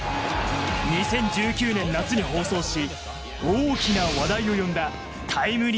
２０１９年夏に放送し大きな話題を呼んだ『ボイス』何だ？